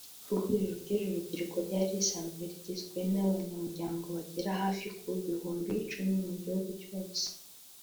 Ihuriro ry’uru rubyiruko ryari risanzwe rigizwe n’abanyamuryango bagera hafi ku bihumbi icumi mu gihugu cyose